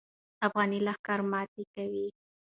افغاني لښکر ماتې کوي.